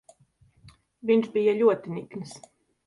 Viņš bija ļoti nikns.